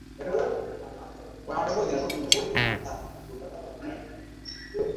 তিনি আমার নিকটে এলেন।